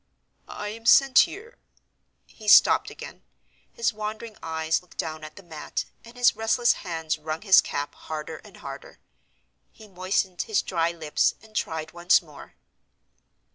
"I am sent here—" He stopped again. His wandering eyes looked down at the mat, and his restless hands wrung his cap harder and harder. He moistened his dry lips, and tried once more.